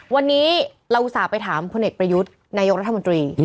วันนี้เราอุตส่าห์ไปถามพลเอกประยุทธ์นายกรัฐมนตรี